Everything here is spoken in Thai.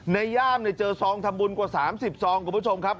ย่ามเจอซองทำบุญกว่า๓๐ซองคุณผู้ชมครับ